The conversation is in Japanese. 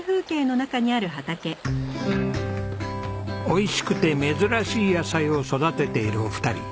美味しくて珍しい野菜を育てているお二人。